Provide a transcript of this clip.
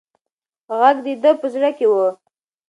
غږ د ده په زړه کې و.